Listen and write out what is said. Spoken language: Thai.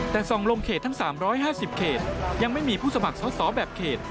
แต่ส่องลงเขตทั้ง๓๕๐เขตยังไม่มีผู้สมัครสอบแบบเขต